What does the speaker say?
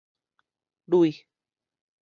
壘